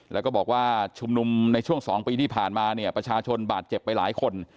แล้วก็บอกว่าชุมนุมในช่วง๒ปีที่ผ่านมาเนี่ยประชาชนบาดเจ็บไปหลายคน